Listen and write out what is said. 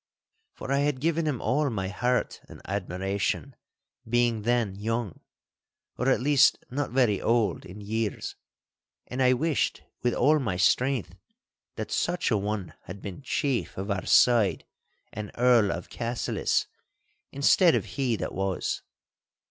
For I had given him all my heart and admiration, being then young—or at least not very old in years—and I wished with all my strength that such an one had been chief of our side and Earl of Cassillis, instead of he that was.